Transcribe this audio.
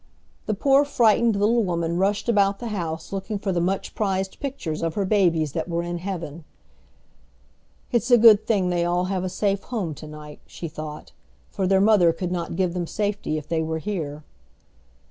The poor frightened little woman rushed about the house looking for the much prized pictures of her babies that were in heaven. "It's a good thing they all have a safe home to night," she thought, "for their mother could not give them safety if they were here."